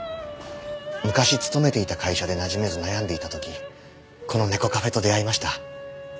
昔勤めていた会社でなじめず悩んでいた時この猫カフェと出会いました。